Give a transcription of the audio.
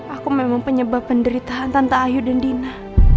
aku memang penyebab penderitaan tante ayu dan dina